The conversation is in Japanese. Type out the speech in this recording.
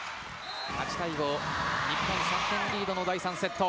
８対５日本３点リードの第３セット。